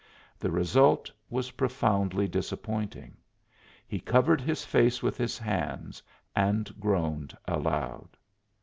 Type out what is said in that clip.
The result was profoundly disappointing. He covered his face with his hands and groaned aloud.